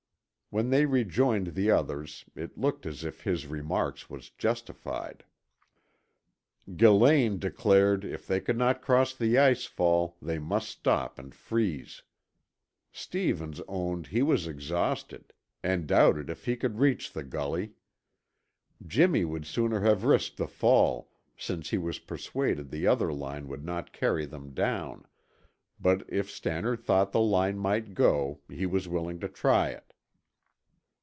When they rejoined the others, it looked as if his remark was justified. Gillane declared if they could not cross the ice fall they must stop and freeze; Stevens owned he was exhausted and doubted if he could reach the gully. Jimmy would sooner have risked the fall, since he was persuaded the other line would not carry them down, but if Stannard thought the line might go, he was willing to try it.